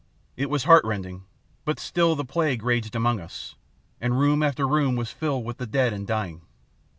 It was heartrending. But still the plague raged among us, and room after room was filled with the dead and dying.